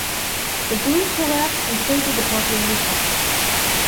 The boom collapsed and so did the population.